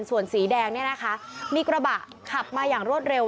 ส่วนสีแดงเนี่ยนะคะมีกระบะขับมาอย่างรวดเร็ว